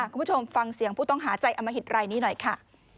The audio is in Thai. คุณผู้ชมฟังเสียงผู้ต้องหาใจอมหิตรายนี้หน่อยค่ะ